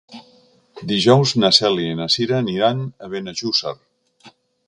Dijous na Cèlia i na Cira aniran a Benejússer.